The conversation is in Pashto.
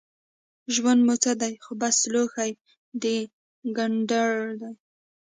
ژوند مو څه دی خو بس لوښی د ګنډېر دی